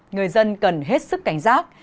người dân cần hết sức cảnh giác